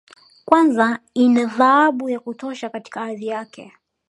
Kwanza ina dhahabu ya kutosha katika ardhi yake